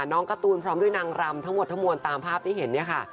การ์ตูนพร้อมด้วยนางรำทั้งหมดทั้งมวลตามภาพที่เห็นเนี่ยค่ะ